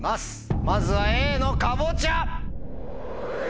まずはＡのカボチャ。